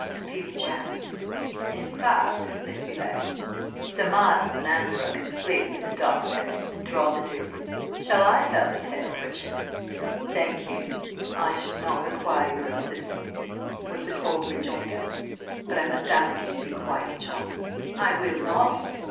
fumed Jack. "In fact, Miss Beauleigh, Sir Miles and Andrew are completely in the dark," drawled the Duke. "Shall I tell the tale, Richard?" "Thank you, I shall not require your assistance," was the cold rejoinder. "But I must ask you to be quiet, John." "I will not!